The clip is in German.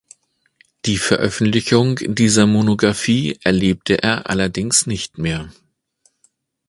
Die Veröffentlichung dieser Monographie erlebte er allerdings nicht mehr.